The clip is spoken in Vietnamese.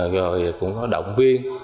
rồi cũng có động viên